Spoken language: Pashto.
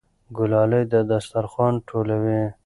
ګلالۍ دسترخوان ټولوي.